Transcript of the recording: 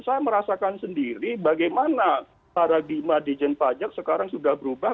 saya merasakan sendiri bagaimana para bima dijen pajak sekarang sudah berubah